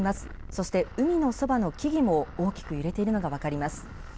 そして、海のそばの木々も大きく揺れているのが分かります。